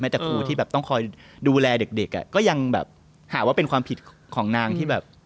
แต่ครูที่แบบต้องคอยดูแลเด็กอ่ะก็ยังแบบหาว่าเป็นความผิดของนางที่แบบ